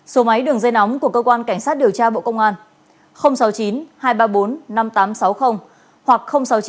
số máy đường dây nóng của cơ quan cảnh sát điều tra bộ công an sáu mươi chín hai trăm ba mươi bốn năm nghìn tám trăm sáu mươi hoặc sáu mươi chín hai trăm ba mươi hai một nghìn sáu trăm sáu mươi